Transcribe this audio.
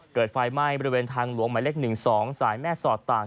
เกิดไฟไหม้บริเวณทางหลวงหมายเลข๑๒สายแม่สอดตาก